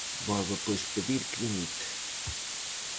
Volve pois pedir que "dimita".